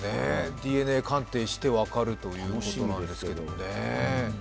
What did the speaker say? ＤＮＡ鑑定して分かるということですね。